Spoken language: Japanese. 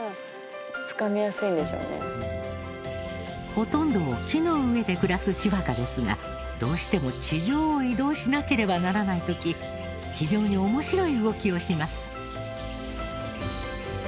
ほとんどを木の上で暮らすシファカですがどうしても地上へ移動しなければならない時非常に面白い動きをします。